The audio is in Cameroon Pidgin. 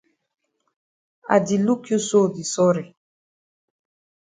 I di look you so di sorry.